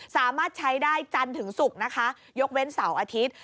สามารถใช้ได้จันทร์ถึงศุกร์นะคะยกเว้นเสาร์อาทิตย์